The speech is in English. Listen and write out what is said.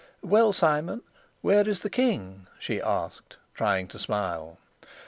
"Well, Simon, where is the king?" she asked, trying to smile.